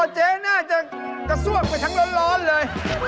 เจ๊น่าจะกระซวกไปทั้งร้อนเลย